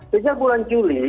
sejak bulan juli